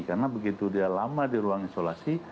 karena begitu dia lama di ruang isolasi